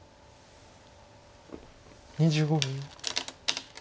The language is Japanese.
２５秒。